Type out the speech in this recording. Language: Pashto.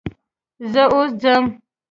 زه اوس ځم.